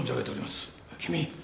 君！